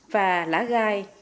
và lá gai